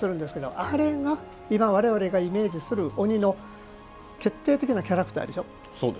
あれが今、我々がイメージする鬼の決定的なキャラクターでしょ。